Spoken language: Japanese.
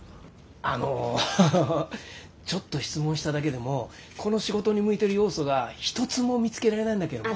あのちょっと質問しただけでもこの仕事に向いてる要素が一つも見つけられないんだけど。